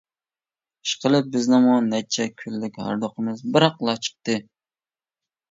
ئىشقىلىپ بىزنىڭمۇ نەچچە كۈنلۈك ھاردۇقىمىز بىراقلا چىقتى.